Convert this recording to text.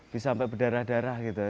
bisa sampai berdarah darah gitu